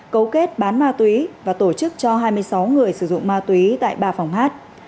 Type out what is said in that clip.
cấu kết bán ma túy và tổ chức cho hai mươi sáu người sử dụng ma túy tại ba phòng hát